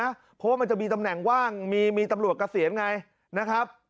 เพราะว่ามันจะมีตำแหน่งว่างมีตำรวจเกษียณไงนะครับ